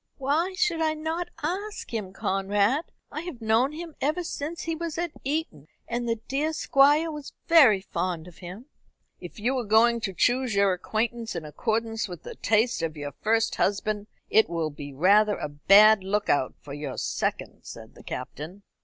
"Why should I not ask him, Conrad? I have known him ever since he was at Eton, and the dear Squire was very fond of him." "If you are going to choose your acquaintance in accordance with the taste of your first husband, it will be rather a bad look out for your second," said the Captain.